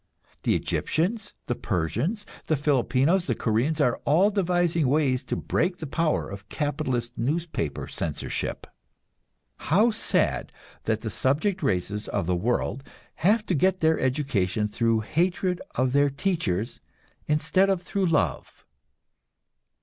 The Egyptians, the Persians, the Filipinos, the Koreans, are all devising ways to break the power of capitalist newspaper censorship. How sad that the subject races of the world have to get their education through hatred of their teachers, instead of through love!